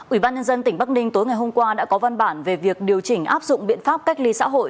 ủy ban nhân dân tỉnh bắc ninh tối ngày hôm qua đã có văn bản về việc điều chỉnh áp dụng biện pháp cách ly xã hội